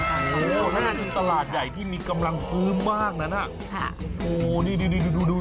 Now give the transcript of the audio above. นั่นคือตลาดใหญ่ที่มีกำลังซื้อมากนั้นฮะโอ้โฮนี่ดู